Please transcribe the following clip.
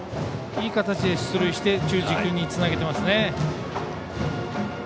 いい形で出塁して中軸につなげてますね。